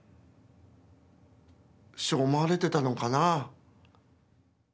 師匠思われてたのかなあ。